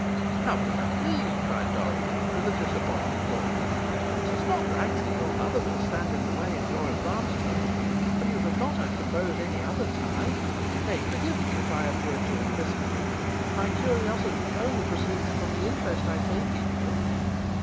"How can that be!" cried Dorothy, with a disappointed look. "It is not likely your mother will stand in the way of your advancement, and you have not, I suppose, any other tie? Nay, forgive me if I appear too inquisitive. My curiosity only proceeds from the interest I take in you."